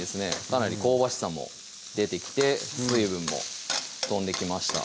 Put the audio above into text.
かなり香ばしさも出てきて水分も飛んできました